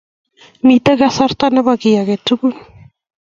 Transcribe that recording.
Mitei kasarta nebo kiy age tugul